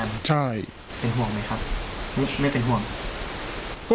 เป็นห่วงไหมครับ